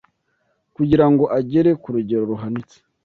Kugira ngo agere ku rugero ruhanitse